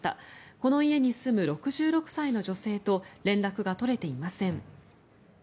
この家に住む６６歳の女性と連絡が取れていません。